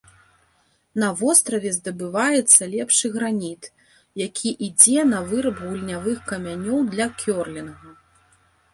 На востраве здабываецца лепшы граніт, які ідзе на выраб гульнявых камянёў для кёрлінга.